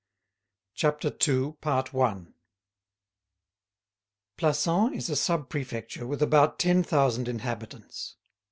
CHAPTER II Plassans is a sub prefecture with about ten thousand inhabitants.